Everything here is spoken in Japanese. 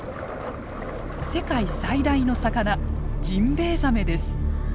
世界最大の魚ジンベエザメです。